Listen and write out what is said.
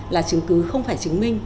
là chứng cứ không phải chứng minh